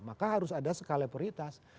maka harus ada skala prioritas